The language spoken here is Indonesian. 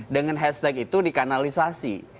dengan hashtag itu dikanalisasi